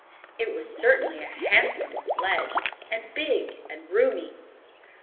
It was certainly a handsome sledge, and big and roomy.